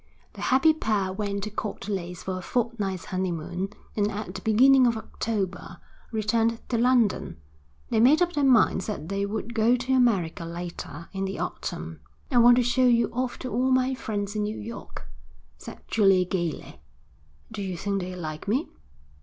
The happy pair went to Court Leys for a fortnight's honeymoon and at the beginning of October returned to London; they made up their minds that they would go to America later in the autumn. 'I want to show you off to all my friends in New York,' said Julia, gaily. 'Do you think they'll like me?'